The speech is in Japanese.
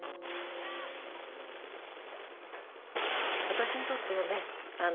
私にとってはね